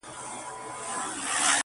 هم پلرونه هم مو وړونه هم خپلوان دي,